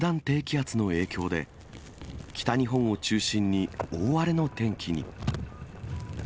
低気圧の影響で、北日本を中心に大荒れの天気に。